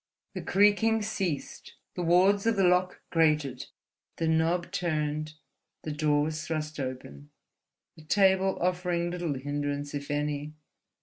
The creaking ceased, the wards of the lock grated, the knob turned, the door was thrust open—the table offering little hindrance if any.